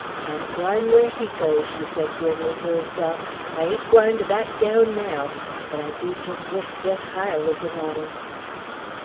"I'm gwine whar he goes," she said grimly to herself. "I ain't a gwine ter back daown naow; but I dew jest wish Jeff Hyer wuz along."